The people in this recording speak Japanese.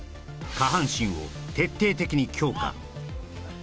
下半身を徹底的に強化